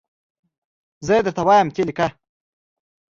زه یي درته وایم ته یي لیکه